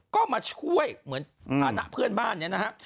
ก็มาช่วยเหมือนฐานะเพื่อนบ้านเนี่ยนะฮะ